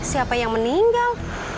siapa yang meninggal